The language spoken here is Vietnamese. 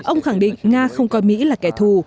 ông khẳng định nga không coi mỹ là kẻ thù